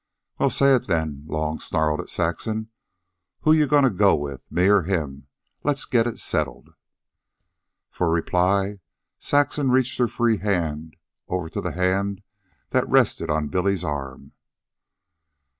"Well, say it then," Long snarled at Saxon, "who're you goin' to go with? me or him? Let's get it settled." For reply, Saxon reached her free hand over to the hand that rested on Billy's arm.